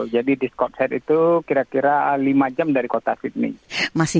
jadi di scott head itu kira kira lima jam dari kota sydney